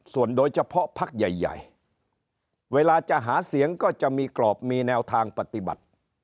ส่วนโดยเฉพาะพักใหญ่เวลาจะหาเสียงก็จะมีกรอบมีแนวทางปฏิบัติ